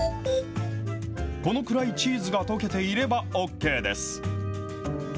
このくらいチーズが溶けていればＯＫです。